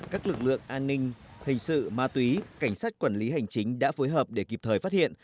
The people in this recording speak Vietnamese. các lực lượng an ninh hình sự ma túy cảnh sát quản lý hành chính đã phối hợp để kịp thời phát hiện